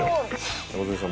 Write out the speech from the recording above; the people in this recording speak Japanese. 山添さん